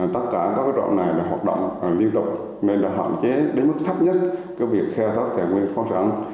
tất cả các trạm này là hoạt động liên tục nên là hạn chế đến mức thấp nhất cái việc khai thác thạng nguyên khoáng sản